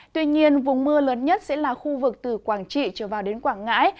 tuy nhiên vùng mưa lớn nhất sẽ là khu vực từ quảng trị trở vào đến quảng ngãi